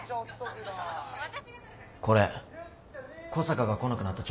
これ小坂が来なくなった